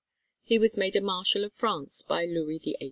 He was made a Marshal of France by Louis XVIII.